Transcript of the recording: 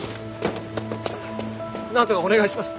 なんとかお願いします。